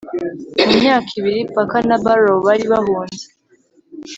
mu myaka ibiri, parker na barrow bari bahunze